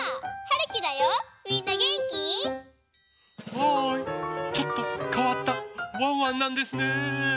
ハイちょっとかわったワンワンなんですね。